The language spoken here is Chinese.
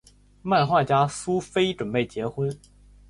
漫画家苏菲准备结婚。